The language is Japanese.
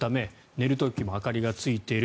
寝る時も明かりがついている。